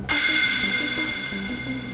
coba pak cek aja dulu